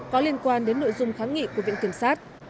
có liên quan đến nội dung kháng nghị của viện kiểm sát